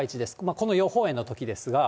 この予報円のときですが。